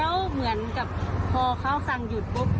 แล้วเหมือนกับพอเขาสั่งหยุดปุ๊บ